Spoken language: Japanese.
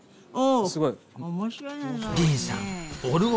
すごい。